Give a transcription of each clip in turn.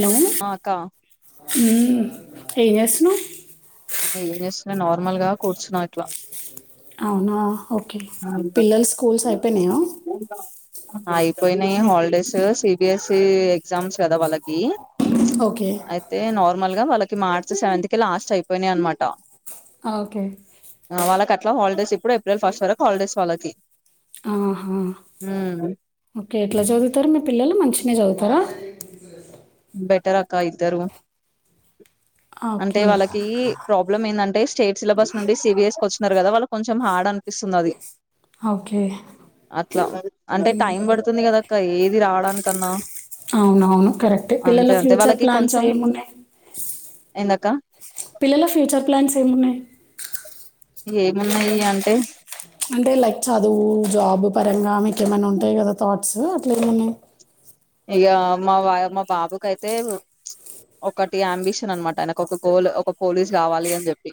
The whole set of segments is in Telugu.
[inaudible] ఆ అక్క ఏం చేస్తున్నావు ఏం చేస్తున్నా నార్మల్ గా కూర్చున్నా ఇట్లా అవునా ఓకే పిల్లలు స్కూల్స్ అయిపోయినాయా అయిపోయినాయి holidays C B S E exams కదా వాళ్ళకి ఓకే అయితే నార్మల్గా వాళ్ళకి మార్చ్ సెవెంత్ కి లాస్ట్ అయిపోయినాయి అనమాట ఓకే ఇట్ల హాలిడేస్ ఇప్పుడే ఏప్రిల్ ఫస్ట్ వరకు హాలిడేస్ వాళ్ళకి ఆహా ఉమ్ ఓకే ఎట్లా చదువుతారు మీ పిల్లలు మంచిగానే చదువుతారా బెటర్ అక్క ఇద్దరు. అంటే ఓకే వాళ్ళకి ప్రాబ్లం ఏందంటే స్టేట్ సిలబస్ నుండి సి బి ఎస్ కి వచ్చినారు కదా వాళ్ళకి కొంచెం హార్డ్ అ నిపిస్తుంది అది ఓకే అట్లా అంటే టైం పడుతుంది కదా ఇంకా ఏది రావడానికన్నా అవునవును కరెక్టే అంతే పిల్లల అంతే ఫ్యూచర్ వాళ్ళకి ప్లాన్స్ కొంచెం ఏమున్నాయి ఏందక్క పిల్లల ఫ్యూచర్ ప్లాన్స్ ఏమున్నాయి ఏమున్నాయి అంటే అంటే లైక్ చదువు జాబ్ పరంగా మీకేమైనా ఉంటాయి కదా థాట్స్ అట్లా ఏమున్నాయి ఇక మా వా మా బాబుకయితే ఒకటి అంబిషన్ అనమాట ఆయనకు ఒక గోల్ ఒక పోలీస్ కావాలి అని చెప్పి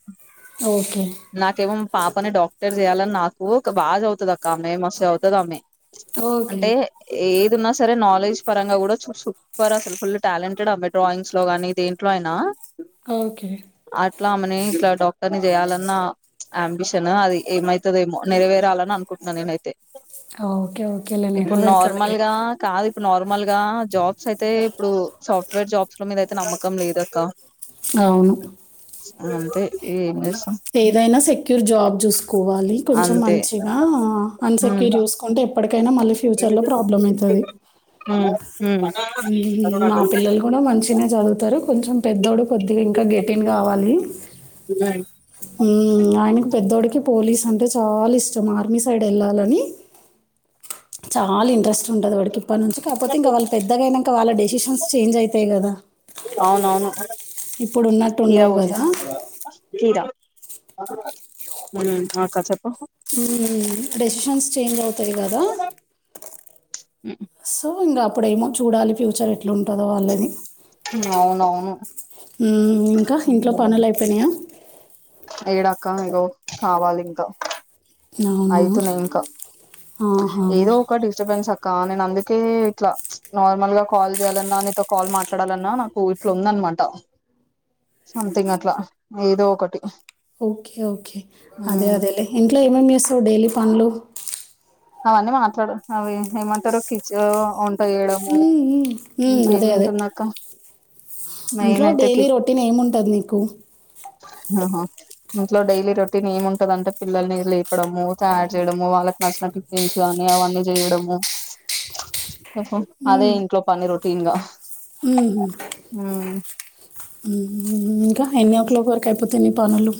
ఓకే నాకేమో మా పాపని డాక్టర్ చేయాలని నాకు ఒక బాగా చదువుతాది అక్క ఆమె మస్తు చదువుతది ఆమె ఓకే అంటే ఏదున్నా సరే నాలెడ్జ్ పరంగా కూడ సు సూపర్ అసలు. ఫుల్ టాలెంటెడ్ అబ్బ డ్రాయింగ్స్ లో గాని, దేంట్లో అయినా, ఓకె. నేన్ ఇట్ల డాక్టర్ ని చేయాలన్న. ఆమ్బిషన్ అది ఏమైతదొ, ఏమో. నెరవేరాలని అనుకుంటున్న నేనైతే. ఓకే ఓకే ఇప్పుడు నార్మల్ నెరవేరుతుందిలే గా కాదు. ఇప్పుడు నార్మల్ గా జాబ్స్ అయితే, ఇప్పుడు సాఫ్ట్వేర్ జాబ్స్ ల మీదయితే నమ్మకం లేదక్క. అవును అంతె ఏం చేస్ ఏదైనా సెక్యూర్ జాబ్ చూసుకోవాలి కొంచెం అంతే మంచిగా. హ్మ్ అన్సెక్యూర్ చూసుకుంటే, కైనా మళ్ళీ ఫ్యూచర్ లో ప్రాబ్లమ్ అయితాది. హ్మ్ నా పిల్లలు కూడ మంచిగనే చదువుతారు. కొంచెం పెద్దోడు కొద్దిగా ఇంకా గెటిన్ కావాలి. ఉమ్, ఆయనకు మ్ పెద్దోడికి పోలీస్ అంటే చాల ఇష్టం. ఆర్మీ సైడ్ ఎళ్ళాలని. చాల ఇంట్రెస్ట్ ఉంటది వాడికి ఇప్పనుంచి. కాకపోతే, ఇంక వాళ్ళు పెద్దగయినంక వాళ్ళ డెసిషన్స్ చేంజ్ అయితాయి కదా అవునవును ఇప్పుడు ఉన్నట్టు కీరా ఉండవు కదా కోసీస్ కీరా మ్. ఆ అక్క చెప్ మ్ డెసిషన్స్ చేంజ్ అవుతాయి కదా! సో ఇంగ అప్పుడేమో చూడాలి ఫ్యూచర్ ఎట్ ఉంటదో వాళ్లది. అవునవును మ్ ఇంకా ఇంట్లో పనులు అయిపోయినయా? ఏడక్క ఇగో కావాలి ఇంకా. అవునా అయితున్నది ఇంకా ఆహా ఏదో ఒక డిస్టర్బెన్స్ అక్ కా నేను అందుకే ఇట్లా నార్మల్ గా కాల్ చేయాలన్నా, నీతో కాల్ మాట్లాడాలన్నా, నాకు ఇట్లుందన్ మాట సంథింగ్ అట్ల ఏదో ఒకటి. Okay okay. అదే హ్మ్ అదేలే. ఇంట్లో ఏమేమి చేస్తావు డైలీ పనులు? అవన్నీ మాట్లాడు అవి ఏమంటారు కిచ్ ఉన్ తొయ్యడము, మ్మ్, మ్మ్, మ్మ్, అదే అదే ఇంకేముంటుందక్క? మెయిన్ ఇంట్లో అయితే డైలీ రొటీన్ ఏముంటది నీకు? ఆహా ఇంట్లో డైలీ రొటీన్ ఏముంటదంటే, పిల్లల్ని లేపడము, తయారు చేయడము, వాళ్ళ నచ్చిన టిఫిన్స్ కానీ, అవన్నీ చేయడము. మ్హు అదే ఇంట్లో పని రొటీన్గ. మ్. మ్. ఇంకా, ఎన్నో క్లాక్ వరకు అయిపోతాయి నీ పనులు?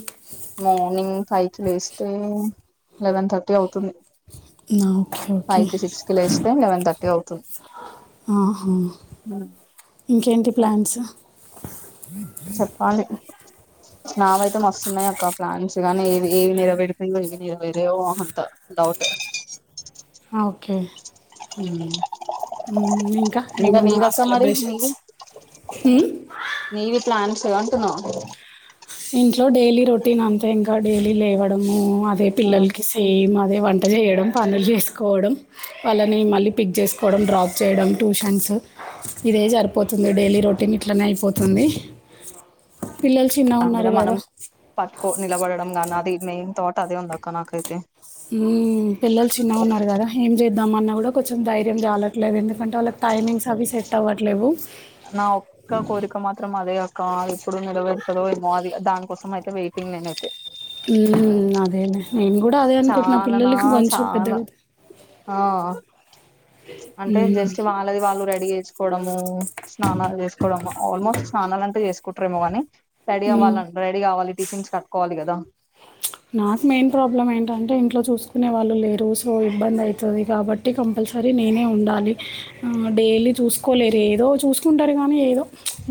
మార్నింగ్ ఫైవ్ కి లేస్తే లెవెన్ థర్టీ అవుతుంది. నా, ఓకే ఓకే ఫైవ్ కి, సిక్స్ కి లేస్తే, లెవెన్ థర్టీ అవుతుంది. ఆహా ఇంకేంటి ప్లాన్స్? బ్ నావయితే మస్తున్నాయి అక్క ప్లాన్స్. కానీ, ఏవి ఏవి నెరవేరుతయో, ఏవి నెరవేరవో అంత డౌట్. హ ఓకే. మ్ మ్ ఇంకా ఏమన్న మరి నీది సెలబ్రేషన్స్? మ్ తిలా అంటన్న. ఇంట్లో డైలీ రొటీన్ అంతె ఇంక. డైలీ లేవడము అదే పిల్లలకి సేమ్ అదే వంట చేయడం, పనులు చేసుకోవడం వాళ్లని మళ్లీ పిక్ చేసుకోవడం, డ్రాప్ చేయడం, ట్యూషన్స్ ఇదే సరిపోతుంది. డైలీ రొ రొటీన్ ఇట్లనే అయిపోతుంది. అ పిల్లలు చిన్న ఉన్నా ఏదా మనం పట్టుకో నిలబడడం గానీ అది మెయిన్ థాట్ అదే ఉందక్క నాకైతే సీ పిల్లలు చిన్నగా ఉన్నారు కదా ఏం చేద్దామఅన్నా కూడా కొంచెం ధైర్యం చాలట్లేదు ఎ అంటే వాళ్ళకి టైమింగ్స్ అవి సెట్ అవ్వట్లేవు నా ఒక్క కోరిక మాత్రం అదే అక్క అది ఎప్పుడు నెరవేరతదో ఏమో అది దాని కోసం అ వెయిటింగ్ నేనైతే మ్ అదేనే నేను కూడా అదే అనుకుంటున్నా చాలానా పిల్లలకి కొంచెం చాలా పెద్దగైతే ఆ అంటే మ్మ్, జస్ట్ వాళ్ళది వాళ్ళు రెడీ చేసుకోవడము స్నానాలు చేసుకోవడం ఆల్మోస్ట్ స్నానాలు అంటే చేసుకుంట్రరేమో కాని రెడీవ్వాల మ్మ్. రెడీ గావాలి టిఫిన్స్ కట్కోవాలి గదా నాకు మెయిన్ ప్రాబ్లం ఏంటంటే ఇంట్లో చూసుకునే వాళ్ళు లేరు సో ఇబ్బంది అయితది కాబట్టి కంపల్ సరి నేనే ఉండాలి ఆ డైలీ చూసుకోలేరు ఏదో చూసుకుంటారు గానీ ఏదో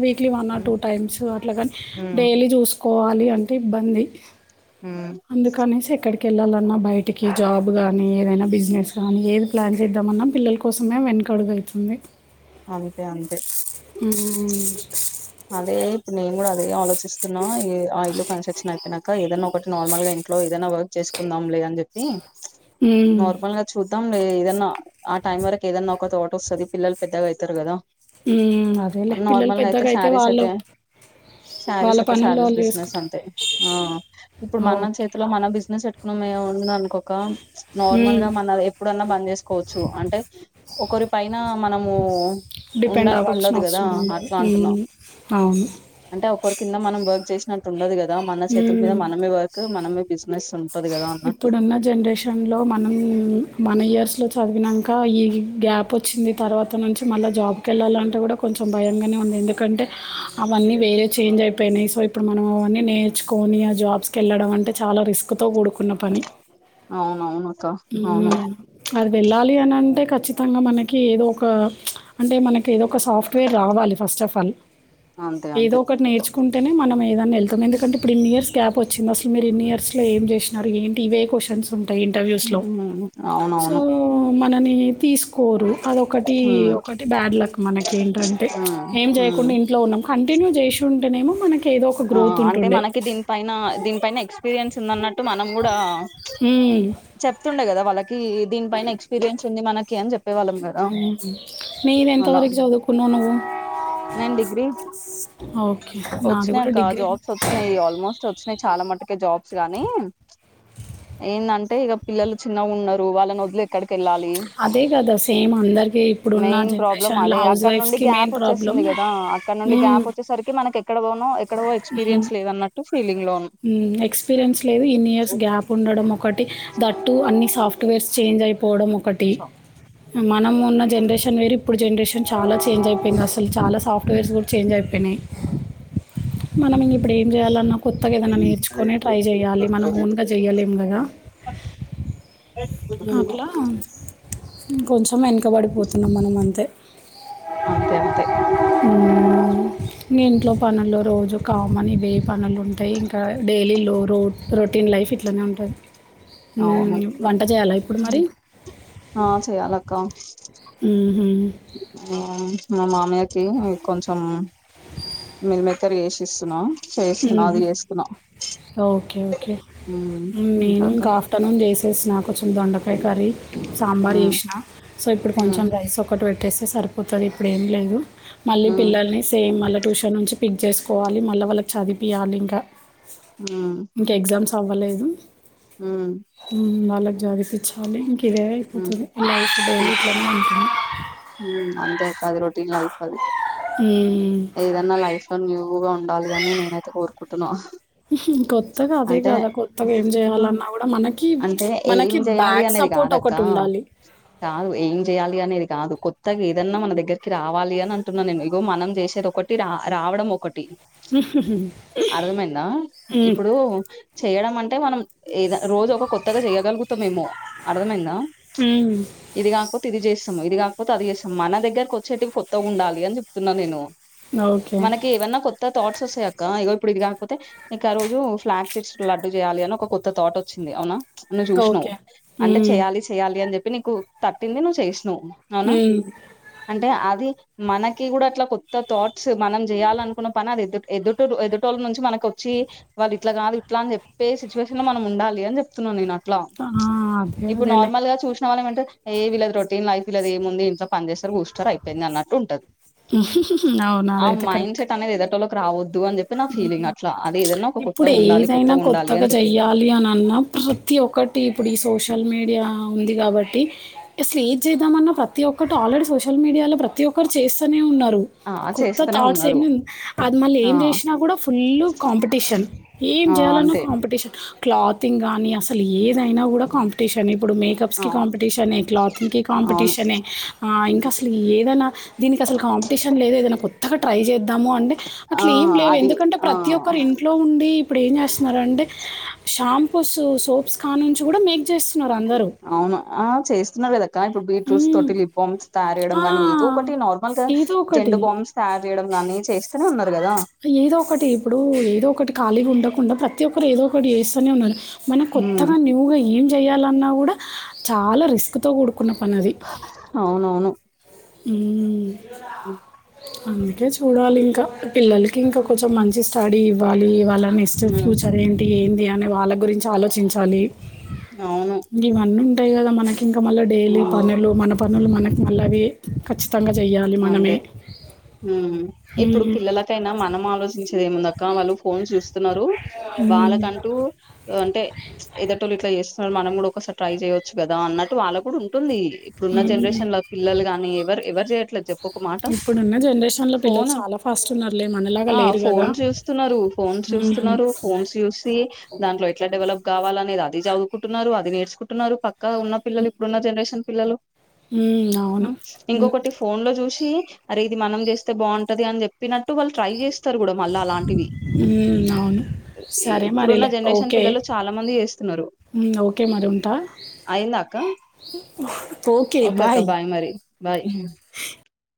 weekly one or two times అట్లా కాని డైలీ చూసుకోవాలి అంటే ఇబ్బంది అందుకనేసి ఎక్కడి కెళ్లాలన్నా బయటికి జాబ్ గాని ఏదైనా బిజినెస్ కానీ ఏది ప్లాన్ చేద్దామన్నా పిల్లల కోసమే వె నకడుగు అయితుంది అంతే అంతే మ్మ్ అదే ఇప్పుడు నేను కూడా అదే ఆలో చిస్తున్నా ఆ ఇల్లు కన్స్ట్రక్షన్ అయిపోయినక ఏదన్నా ఒకటి నార్మల్ గా ఇంట్లో ఏదన్నా వర్క్ చేసుకుందాం లే అని చెప్ ఎ ఉమ్, నార్మల్ గా చూద్దాం లే ఏదన్నా ఆ టైం వరకు ఏదన్నా ఒక థా ట్ వస్తది పిల్లలు పెద్దగా అయితారు కదా ఉమ్ అదేలే అని. పిల్లలు నార్మల్ గా పెద్దగా అయితే శారీస్ వాళ్ళు శారీస్ వాళ్ళ అయితే పనుల్లో శారీస్ బిజినెస్ చేసుకుంటారు అంతే ఆ ఇప్పుడు మన చేతిలో మన బిజినెస్ చట్కున మేం ఉండిన అనుకోక నార్మల్ గా ఓకే మన ఎప్పుడన్నా బంద్ చేసుకోవచ్చు అంటే ఒకరి పైన మనము డిపెండ్ ఉన్నట్టు అవ్వాల్సిన ఉండదు కదా అవసరం ఉండదు అట్లా టున్న ఉమ్, అవును అంటే ఒకరి కింద మనం వర్క్ చేసినట్టు ఉండదు కదా ద మన చేతుల మీద ఉమ్, మనమే వర్క్ మనమే బిజినెస్ ఉంటది కదా అన్నట్టు ఇప్పుడున్న జనరేషన్లో మనం మన ఇయర్స్లో చదివిన క ఈ గ్యాప్ వచ్చింది తర్వాత నుంచి మళ్ళా జాబ్కి వెళ్ళాలంటే కూడా కొంచెం భయంగానే ఉంది ఎందుకంటే అవన్నీ వేరే చెంజ్ అయిపోయినయ్ సో ఇప్పుడు మనం అవన్నీ నేర్చుకొని ఆ జాబ్స్ కెళ్ళడం అంటే చా లా రిస్క్ తో కూడు అవునవును అక్క అవును మ్ అది వెళ్ళాలి అనంటే ఖచ్చి తంగా మనకి ఏదో సాఫ్ట్వేర్ రావాలి ఫస్ట్ ఆఫ్ ఆల్ అంతే ఏదో అంతే ఒకటి నేర్చుకుంటేనే మనం మే ఏదాన్ని ఎళ్తాం ఎందుకంటే ఇప్పుడు ఇన్ని ఇయర్స్ గ్యాప్ వచ్చింది అసలు మీరు ఇన్ని ఇయర్స్ లో ఏం చేసినారు ఏంటి ఇవే క్వశ్చన్స్ ఉంటాయి ఇంటర్వ్యూ ట్లో ఉమ్, సో అవునవును మననీ కోరు అదొకటి ఉమ్, ఒకటి బ్యాడ్ లక్ మనకి ఏంటంటే ఉమ్, ఏం ఉమ్. చేయకుండా ఇంట్లో ఉన్నం కంటిన్యూ జేసి ఉంటేనేమో మన ఆ అంటే మనకి దీనిపైన దీనిపైన ఎక్స్పీరియన్స్ ఉందన్నట్టు మనం కూడా మ్మ్. చెప్తుండే కదా వాళ్ళకి దీనిపైన ఎక్స్పీరియన్స్ ఉంది మనకి అని జెప్ మ్ మీది ఎంత వరకు చదుకున్నావ్ నువ్వు నేన్ డిగ్రీ ఓకే నాది వచ్చినీ కూడా అక్క డిగ్రీ జాబ్స్ వచ్చినాయి ఆల్మోస్ట్ వచ్చినాయి చాలా మటుకే జాబ్స్ గాని ఏందంటే ఇగ పిల్లలు చిన్నగా ఉన్నారు వాళ్ళని వదిలి ఎక్కడికి వెళ్ళాలి అదే కదా సేమ్ అందరికీ ఇప్పుడున్న మెయిన్ ప్రాబ్లం జనరేషన్లో అదే హౌస్ అక్కడ నుండి వైఫ్స్కి గ్యాప్ మెయిన్ ప్రాబ్లం వచ్చేస్తుంది కదా అక్క నుండి మ్మ్. గ్యాప్ వచ్చేసరికి మన ఎక్కడ దోనో ఎక్కడివో ఎస్పీరియన్స్ లేదన్నట్టు ఫీలింగ్ లో ఉమ్, మ్ ఎక్స్పీరియన్స్ లేదు ఇన్ని ఇయర్స్ గ్యాప్ ఉండడం ఒకటి దట్టు అన్ని సాఫ్ ట్వేర్స్ చేంజ్ అయిపోవడం ఒకటి మనం ఉన్న జనరేషన్ వేరు ఇప్పుడు జనరేషన్ చాలా చేంజ్ అయిపోయింది అసలు చాలా సాఫ్ట్వేర్స్ కూడా చేంజ్ అయిపోయినయ్ మనం ఇంగ ఇప్పుడు ఏం చేయాలన్నా కొ కొత్తగా ఏదనా నేర్చుకొనే ట్రై చేయాలి మనం ఓన్గా జెయలేం గదా పెట్ ఇంకొంచెం వెనకబడిపోతున్నం మనం అంతే అంతే అంతే ఆ ఇంగింట్లో పనుల్లో రోజు కామని వే పనులు రొటీన్ లైఫ్ ఇట్లనే ఉంటది అవును మ్మ్ వంట జెయ్యాలా ఇప్పుడు మరి ఆ ఊహు ఆ మా మామయ్యకి కొంచెం మీల్ మేకర్ చేష్ ఇస్తున్నా చేస్తున్నా అది మ్మ్. చేస్తున్నా ఓకే ఓకే ఉమ్, నేను అక్క ఇంకా ఆఫ్టర్నూన్ చేసేసినా కొచెం దొండకాయ కర్రీ సాంబార్ ఉమ్, వేసిన సో ఇప్పుడు ఉమ్, కొంచెం రైస్ ఒక్కటి పెట్టేస్తే సరిపోతుంది ఇప్పుడు ఏం లేదు మళ్ళీ ఉమ్, పిల్లల్ని సేమ్ మళ్ళా ట్యూషన్ నుంచి పిక్ చేసుకోవాలి మళ్ళ వాళ్ళకి చదిపియాలి ఇంకా ఆ ఇంకా ఎగ్జామ్స్ అవ్వలేదు వాళ్ళకు జాబిపిచ్ చాలే ఇంక ఇదే ఉమ్, అయిపోతుది లైఫ్ డైలీ ఉమ్, ఇట్లనే ఉంటుంది ఉమ్, అంతే అది రొటీన్ లైఫ్ అది మ్మ్. ఏదన్నా లైఫ్ లో న్యూగా ఉండాలి అని నేనైతే కోరుకుంటున్నా కొత్తగా అదే అంటే గదా కొత్తగా ఏం జెయాలన్నా గుడా మనకి అంటే ఏం మనకి చేయాలి బ్యాక్ అనేది సపోర్ట్ కాదక్క ఒకటి ఉండాలి కాదు ఏం చెయాలి అని ఇది కాదు కొత్తగా ఏదన్నా మన దగ్గరికి రావాలి అని అంటున్నా నేను ఇదిగో మనం చేషేదొకటి రా రావడం ఒకటి అర్థమైందా మ్మ్. ఇప్పుడు చెయ్యడం అంటే మనం ఏద రోజు ఒక కొత్తగా చెయ్యగలుగుతమేమో అర్థమైందా హ్మ్ ఇది కాకపోతే ఇది చేస్ ఇది కాకపోతే అది చేస్తాం మన దగ్గరకు వచ్చేటివి కొత్తగా ఉండాలి అని చెప్తున్నాను నేను ఓకే మనకి ఏవన్నా కొత్ కొత్త థాట్స్ వస్తయక్క ఇగో ఇప్పుడు ఇది గాకపోతే నీకారోజు ఫ్లాగ్షీట్స్ లడ్డు చేయాలి అని ఒక కొత్త థాట్ వచ్చింది అవునా నువ్వు చూషినవ్ ఓకే అంటే హ్మ్ చెయ్యాలి చెయ్యాలి అని చెప్పి నీకు తట్టింది నువ్వు అవునా హ్మ్ అంటే అది మనకి గూడ అట్ల కొత్త థాట్స్ మనం జెయ్యాలనుకున్న పని అది ఎదుట్ ఎదుటురు ఎదుటోళ్ళ నుంచి మనకొచ్చి వాళ్ళు ఇట్లా కాదు ఇట్లా అని చెప్పే సిచువేషన్ లో మనం ఉండాలి అని చెప్తున్నా నేన ఆ అదే అదేలే అంటే ఏ వీళ్ళది రొటీన్ లైఫ్ వీళ్ళదేముంది ఇంట్ల పని చేస్తారు బూస్టర్ అయిపోయింది అన్నట్ ఉంటది అవును. ఆ అదైతే కరెక్టే. మైండ్సెట్ అనేది ఎదటోళక్ ఏదన్నా ఒక ఇప్పుడు కొత్తగా ఉండాలి ఏదైనా ఉండాలి కొత్తగా అని చెప్పి జెయ్యాలి అనన్నా ప్రతి ఒకటి ఇప్పుడీ సోష్ మీడియా ఉంది గాబట్టి అసలు ఏద్ చేద్దామన్నా ప్రతి ఒక్కటి ఆల్రెడీ సోషల్ మీడియాలో ప్రతి ఒ చేస్తనే ఉన్నరు ఆ కొత్త చేస్తూనే థాట్స్ ఉన్నారు అది మళ్ళ ఆ ఏం జేష్ నా కూడా ఫుల్లు కాంపిటీషన్ ఏం ఆ జెయాలన్నా అంతే కాంపిటీషన్ క్లాతింగ్ గానీ అసలు ఏదైనా గూడా కాంపిటీషన్ ఇప్పుడు మేకప్స్ ఆ కి కాంపిటీషనే క్లాతింగ్ కి అవును కాంపిటీషనే ఆ ఇంకా హ్మ్. అసలు ఏదైనా దీనికి అసలు కాంపిటీషన్ లేదు ఏదైనా కొత్తగా ట్రై చేద్దాము అంటే ఆ అట్లు ఏం లేవే అది ఎందుకంటే ఆ ప్రతి ఒక్కరు ఇంట్లో ఉండి ఇప్పుడు ఏం చేస్తున్నారు అంటే షాంపూస్ సోప్స్ కా నుంచి కూడా మేక్ జేస్తున్నారు అందరూ. అవును ఆ చేస్తున్నాడు కదా ఇప్పుడు బీట్రూట్స్ హ్మ్. తోటి లిప్ బామ్స్ తయారు చేయడం ఆ! గానీ ఏదో ఒకటి నార్మల్ గా ఏదో ఒకటి. జండు బామ్స్ తయారు చేయడం కానీ చేస్ ఏదో ఒకటి ఇప్పుడు ఏదో ఒకటి ఖాళీ గుండకు కుండా ప్రతి ఒక్కరు ఏదో ఒకటి చేస్తూనే ఉన్నారు మన కొత్తగా న్యూగా ఏం జెయాలన్నా గూడ చాలా రిస్క్ తో గూడుకున్న పనది ఉ ఉ అందుకే చూడాలి ఇంకా పిల్లలకి ఇంకా కొంచెం మంచి స్టడీ ఇవ్వాలి వాళ్ళ నెస్ట్ హ్మ్. ఫ్యూచర్ ఏంటి ఏంది అని వాళ్ళ గురించి ఆలోచించాలి అవును ఇవన్నీ ఉంటాయి కదా మనకి ఇంకా మళ్ళా డైలీ హ్మ్. పనులు మన పనులు మనకి మళ్ళవి ఖచ్చిత అంతే ఇప్పుడు హ్మ్. పిల్లలకైనా మనం ఆలోచించేది ఏముందక్క వాళ్ళు ఫోన్ చూస్తున్నారు హ్మ్. వాళ్ళకంటూ అంటే ఎదటోళ్ళు ఇట్లా చేస్తున్నారు మనం కూడా ఒక ట్రై చేయచ్చు కద అన్న వాళ్ళ కూడా ఉంటుంది ఇప్పుడు ఉన్న హ్మ్. జనరేషన్ లో పిల్లలు గాని ఎవరు ఎవరు చేయట్లేదు చెప్పు ఒక మాట ఇప్పుడున్న జనరేషన్ లో ఫో పిల్లలు చాలా ఫాస్ట్ ఉన్నారులే మనలాగా ఆ లేరు కదా ఫోన్ చూస్తున్నారు ఫోన్ ఉమ్ చూస్తున్నారు ఫోన్స్ చూసి దాంట్లో ఎట్లా డెవలప్ కావాలనేది అది చదువుకుంటున్నారు అది నేర్చుకుంటున్నారు పక్క ఉన్న పిల్లలు ఇప్పుడున్న జనరేషన్ పిల్లలు ఉమ్ అవును ఉమ్ ఇంకోకటి లో చూసి అరే ఇది మనం చేస్తే బాగుంటది అని చెప్పినట్టు వాళ్ళు ట్రై చేస్తారు కూడా మళ్ళా అలాంటివి ఉ అవును సరే ఇప్పుడున్న మరిలే జనరేషన్ ఓకే పిల్లలు చాలా మంది చేస్తున్నారు ఓకే మరి ఉంటా అయిందా అక్క ఓకే అక్క బాయ్ మరి బాయ్